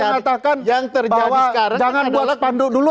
dia mengatakan bahwa jangan buat sepanduk dulu